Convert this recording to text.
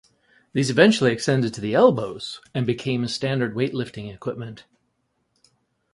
These eventually extended to the elbows and became standard weightlifting equipment.